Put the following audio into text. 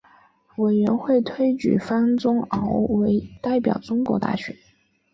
委员会推举方宗鳌为代表中国大学。